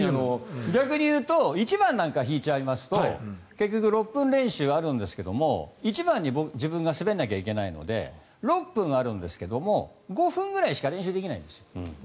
逆に言うと１番なんか引いちゃいますと結局、６分練習があるんですけど１番に自分が滑らないといけないので６分あるんですが５分ぐらいしか練習できないんです。